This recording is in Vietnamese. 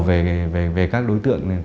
về các đối tượng